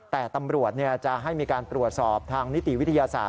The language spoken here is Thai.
แต่ตำรวจจะให้มีการตรวจสอบทางนิติวิทยาศาสต